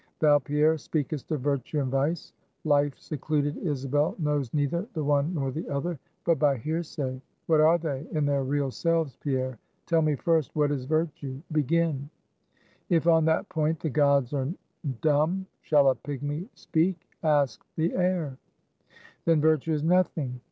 Thou, Pierre, speakest of Virtue and Vice; life secluded Isabel knows neither the one nor the other, but by hearsay. What are they, in their real selves, Pierre? Tell me first what is Virtue: begin!" "If on that point the gods are dumb, shall a pigmy speak? Ask the air!" "Then Virtue is nothing."